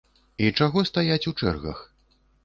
І чаго стаяць у чэргах?